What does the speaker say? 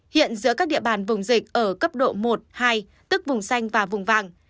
hiện giữa các địa bàn vùng dịch ở cấp độ một hai tức vùng xanh và vùng vàng